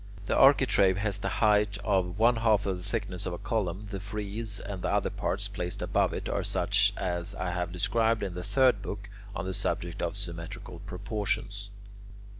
The architrave has the height of one half of the thickness of a column. The frieze and the other parts placed above it are such as I have described in the third book, on the subject of symmetrical proportions.